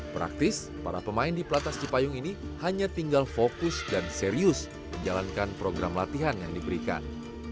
praktis para pemain di pelatnas cipayung ini hanya tinggal fokus dan serius menjalankan program latihan yang diberikan